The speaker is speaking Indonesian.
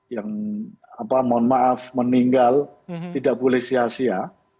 yang mohon maaf meninggal tidak boleh sia sia